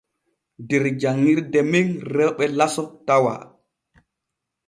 Der janŋirde men rewɓe laso tawa.